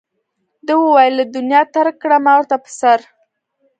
ده وویل له دنیا ترک کړه ما ورته په سر.